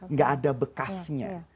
nggak ada bekasnya